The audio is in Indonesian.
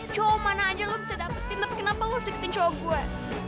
cowok mana aja lo bisa dapetin tapi kenapa lo harus deketin cewek gue